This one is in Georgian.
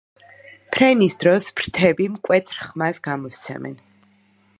ფრენის დროს ფრთები მკვეთრ ხმას გამოსცემენ.